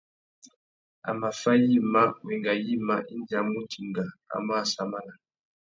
A mà fá yïmá, wenga yïmá indi a mù dinga, a mù assamana.